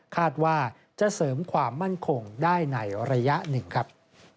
คาดว่าจะเสริมความมั่นคงได้ในระยะหนึ่งครับ